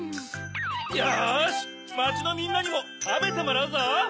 よしまちのみんなにもたべてもらうぞ！